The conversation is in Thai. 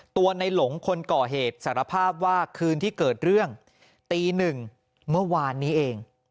ตัวในหลงคนก่อเหตุสารภาพว่าคืนที่เกิดเรื่องตีหนึ่งเมื่อวานนี้เอง